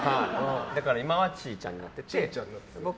だから今はチーちゃんになっています。